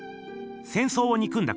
戦争をにくんだ